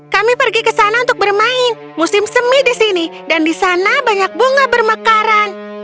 kami pergi ke sana untuk bermain musim semi di sini dan di sana banyak bunga bermekaran